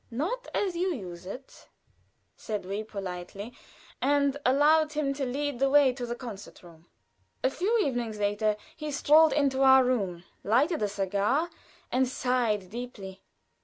"Not as you use it," said we both, politely, and allowed him to lead the way to the concert room. A few evenings later he strolled into our room, lighted a cigar, and sighed deeply.